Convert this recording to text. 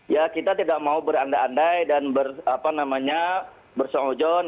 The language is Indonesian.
ya kita tidak mau berandai andai dan bersengojon